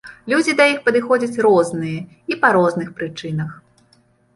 Людзі да іх падыходзяць розныя і па розных прычынах.